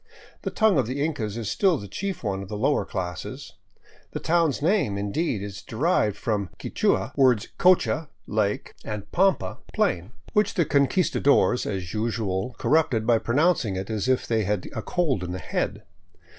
The tongue of the Incas is still the chief one of the lower classes; the town's name, indeed, is derived from the Quichua words kocha (lake) and pampa (plain) — which the Con 517 VAGABONDING DOWN THE ANDES quistadores as usual corrupted by pronouncing it as if they had a cold in the head.